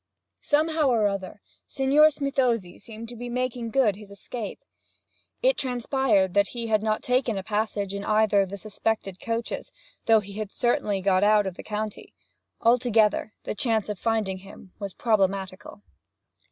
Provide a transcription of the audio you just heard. Somehow or other Signor Smithozzi seemed to be making good his escape. It transpired that he had not taken a passage in either of the suspected coaches, though he had certainly got out of the county; altogether, the chance of finding him was problematical.